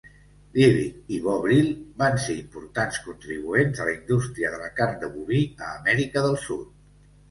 Liebig i Bovril van ser importants contribuents a la indústria de la carn de boví a Amèrica del Sud.